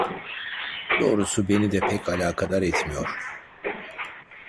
Doğrusu beni de pek alakadar etmiyor…